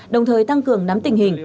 đồng thời tăng cường nắm tình hình